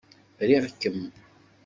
Riɣ-kem.